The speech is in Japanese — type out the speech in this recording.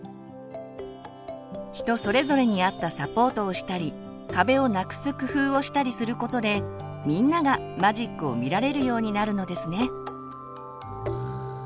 人それぞれに合ったサポートをしたり壁をなくす工夫をしたりすることでみんながマジックを見られるようになるのですね。